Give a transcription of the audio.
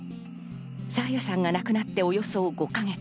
爽彩さんが亡くなっておよそ５か月。